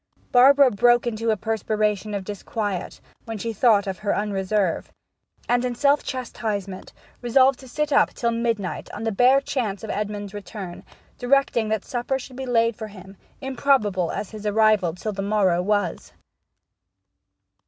Barbara broke into a perspiration of disquiet when she thought of her unreserve, and, in self chastisement, resolved to sit up till midnight on the bare chance of Edmond's return; directing that supper should be laid for him, improbable as his arrival till the morrow was.